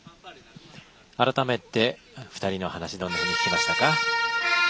改めて２人の話どんなふうに聞きましたか。